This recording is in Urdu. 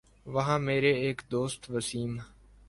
وہاں میرے ایک دوست وسیم